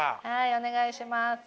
はいお願いします。